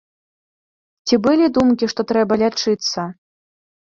Ці былі думкі, што трэба лячыцца?